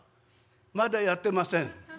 「まだやってません」。